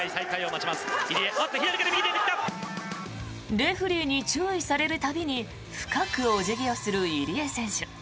レフェリーに注意される度に深くお辞儀をする入江選手。